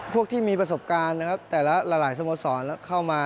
พวกที่มีประสบการณ์นะครับแต่ละหลายสโมสรเข้ามา